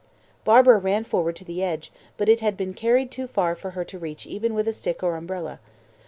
Barbara ran forward to the edge, but it had been carried too far for her to reach even with a stick or umbrella.